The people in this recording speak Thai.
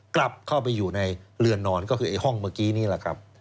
กลับเข้าไปอยู่ในเรือนนอนก็คือไอ้ห้องเมื่อกี้นี่แหละครับ